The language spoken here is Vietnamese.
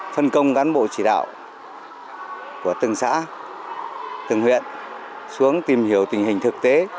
phân công cán bộ chỉ đạo của từng xã từng huyện xuống tìm hiểu tình hình thực tế